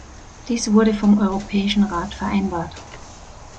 Dies wurde vom Europäischen Rat vereinbart.